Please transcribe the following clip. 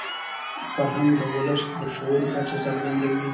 فرهنګ د ولس د شعور کچه څرګندوي.